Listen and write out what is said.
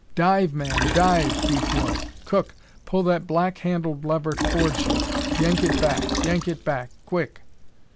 "Dive, man, dive!" Keith yelled. "Cook, pull that black handled lever towards you! Yank it back! Yank it back! Quick!"